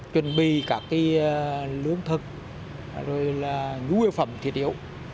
chuẩn bị các cái lưỡng thực rồi là nhu yếu phẩm thiết yếu